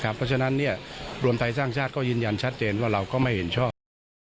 เพราะฉะนั้นรวมไทยสร้างชาติก็ยืนยันชัดเจนว่าเราก็ไม่เห็นชอบ